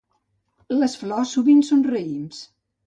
Les flors sovint són raïms.